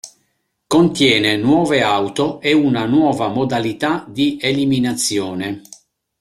Contiene nuove auto e una nuova modalità di eliminazione.